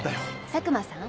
佐久間さん。